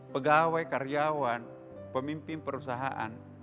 pegawai karyawan pemimpin perusahaan